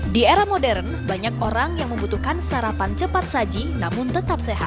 di era modern banyak orang yang membutuhkan sarapan cepat saji namun tetap sehat